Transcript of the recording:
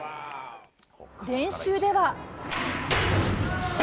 練習では。